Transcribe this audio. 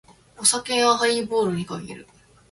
お酒はハイボールに限る。